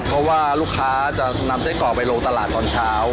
เพราะว่าลูกค้าจะนำไส้กรอกไปลงตลาดตอนเช้า